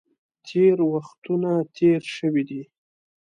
تېرې وختونه تېر شوي دي.